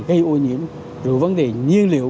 gây ô nhiễm rồi vấn đề nhiên liệu